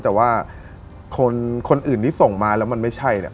แต่ว่าคนอื่นที่ส่งมาแล้วมันไม่ใช่เนี่ย